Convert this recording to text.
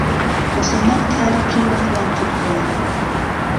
موسوڵمان کاریکی وایان کردووه